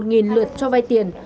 gần một lượt cho vai tiền